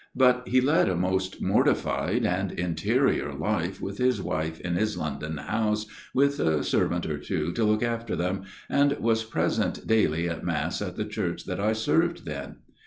But he led a most mortified and interior life with his wife in his London house, with a servant or two to look after them, and was present daily at mass at the church that I served then.